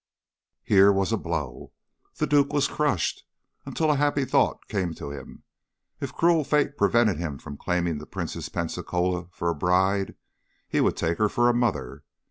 Here was a blow! The duke was crushed, until a happy thought came to him. If cruel fate prevented him from claiming the Princess Pensacola for a bride he would take her for a mother.